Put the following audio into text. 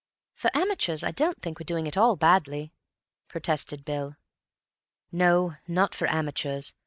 "For amateurs I don't think we're doing at all badly," protested Bill. "No; not for amateurs.